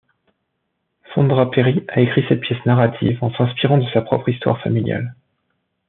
Sondra Perry a écrit cette pièce narrative en s'inspirant de sa propre histoire familiale.